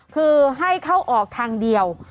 คือให้เข้าออกทางเดียว